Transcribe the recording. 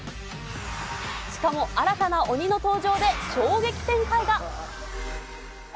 しかも新たな鬼の登場で衝撃展開が。